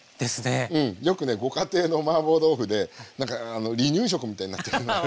よくねご家庭のマーボー豆腐で何かあの離乳食みたいになってるのがある。